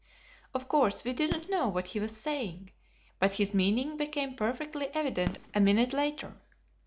Of course, we did not know what he was saying, but his meaning became perfectly evident a minute later.